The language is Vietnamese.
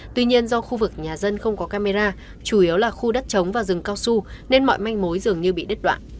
tuy nhiên do khu vực nhà dân không có camera chủ yếu là khu đất chống và rừng cao su nên mọi manh mối dường như bị đứt đoạn